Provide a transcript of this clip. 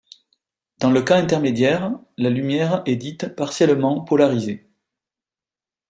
Dans le cas intermédiaire, la lumière est dite partiellement polarisée.